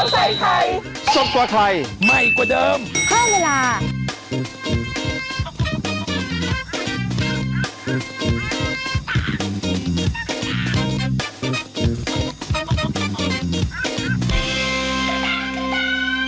เพิ่มเวลา